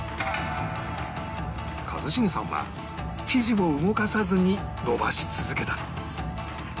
一茂さんは生地を動かさずにのばし続けた